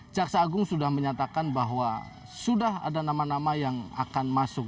jaksa agung sudah menyatakan bahwa sudah ada nama nama yang akan masuk